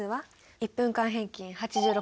１分間平均８６です。